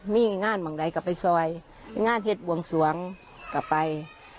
มีงานบางไหนก็ไปซอยก็งานเฮ็ดปวงสวงก็ไป